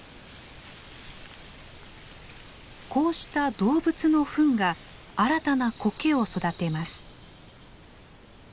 こうした動物のフンが新たなコケを育てます。